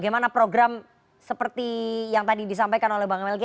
bagaimana program seperti yang tadi disampaikan oleh bang melki